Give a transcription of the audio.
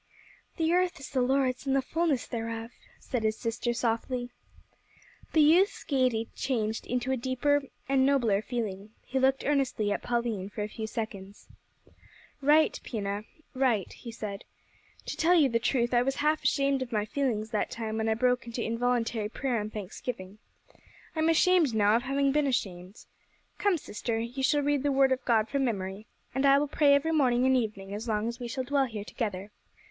"`The earth is the Lord's, and the fulness thereof,'" said his sister, softly. The youth's gaiety changed into a deeper and nobler feeling. He looked earnestly at Pauline for a few seconds. "Right, Pina, right," he said. "To tell you the truth, I was half ashamed of my feelings that time when I broke into involuntary prayer and thanksgiving. I'm ashamed now of having been ashamed. Come, sister, you shall read the Word of God from memory, and I will pray every morning and evening as long as we shall dwell here together."